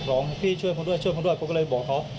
ร้องพี่ช่วยคนด้วยช่วยคนด้วยก็เลยบอกเขา